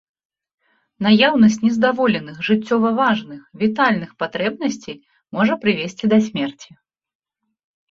Наяўнасць нездаволеных жыццёва важных, вітальных патрэбнасцей можа прывесці да смерці.